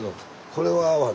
これは会わん。